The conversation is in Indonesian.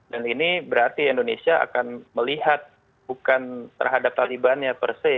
dan ini berarti indonesia akan melihat bukan terhadap taliban per se